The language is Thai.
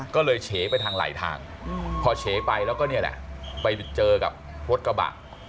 ก็เลยเฉไปทางไหลทางพอเฉไปแล้วก็นี่แหละไปเจอกับรถกระบะ